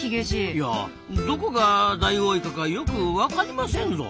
いやどこがダイオウイカかよくわかりませんぞ。